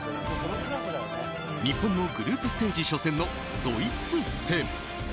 日本のグループステージ初戦のドイツ戦。